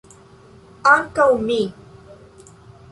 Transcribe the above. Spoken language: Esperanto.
Ankaŭ mi.